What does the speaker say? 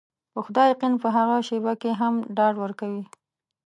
په خدای يقين په هغه شېبه کې هم ډاډ ورکوي.